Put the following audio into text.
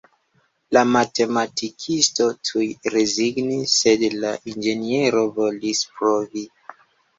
La matematikisto tuj rezignis, sed la inĝeniero volis provi.